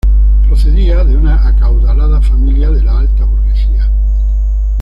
Procedía de una acaudalada familia de la alta burguesía.